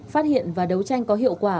phát hiện và đấu tranh có hiệu quả